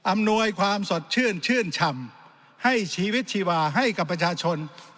อำนวยความสดชื่นชื่นฉ่ำให้ชีวิตชีวาให้กับประชาชน